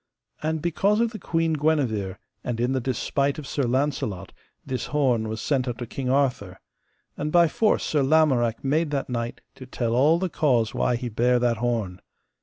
And because of the Queen Guenever, and in the despite of Sir Launcelot, this horn was sent unto King Arthur; and by force Sir Lamorak made that knight to tell all the cause why he bare that horn.